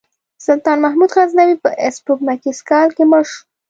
سلطان محمود غزنوي په سپوږمیز کال کې مړ شو.